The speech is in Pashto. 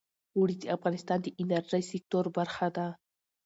اوړي د افغانستان د انرژۍ سکتور برخه ده.